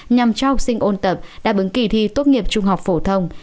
nhằm cho học sinh ôn tập đã bứng kỳ thi tốt nghiệp trung học phổ thông